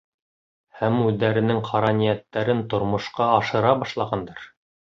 Һәм үҙҙәренең ҡара ниәттәрен тормошҡа ашыра башлағандар.